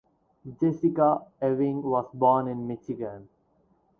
Jessica Ewing was born in Michigan.